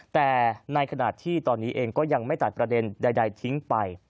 แต่ในขณะที่ตอนนี้เองก็ยังไม่ตัดประเด็นใดทิ้งไป